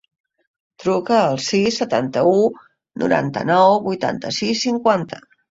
Truca al sis, setanta-u, noranta-nou, vuitanta-sis, cinquanta.